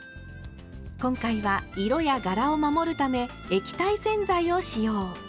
今回は色や柄を守るため液体洗剤を使用。